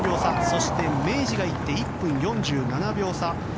そして明治が１分４７秒差。